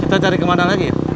kita cari kemana lagi